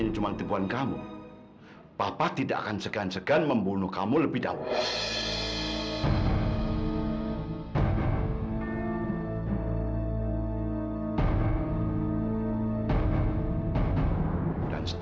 juli sedang mengalami kesulitan